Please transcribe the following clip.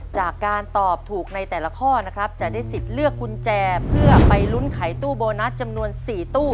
จากการตอบถูกในแต่ละข้อนะครับจะได้สิทธิ์เลือกกุญแจเพื่อไปลุ้นไขตู้โบนัสจำนวน๔ตู้